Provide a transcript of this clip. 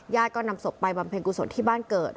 ก็นำศพไปบำเพ็ญกุศลที่บ้านเกิด